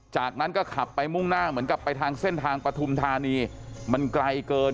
จากนั้นก็ขับไปมุ่งหน้าเหมือนกับไปทางเส้นทางปฐุมธานีมันไกลเกิน